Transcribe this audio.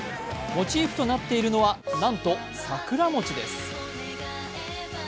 モチーフとなっているのはなんと桜餅です。